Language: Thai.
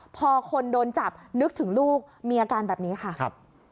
พอคนโดนจับนึกถึงลูกมีอาการแบบนี้ค่ะครับ